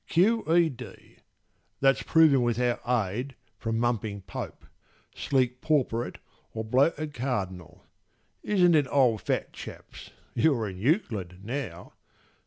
Q. E. D. That's proven without aid from mumping Pope, Sleek porporate or bloated Cardinal. (Isn't it, old Fatchaps? You're in Euclid now.)